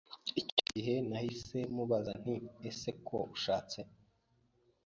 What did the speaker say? icyo gihe nahise mubaza nti ese ko ushatse